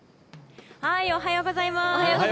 おはようございます。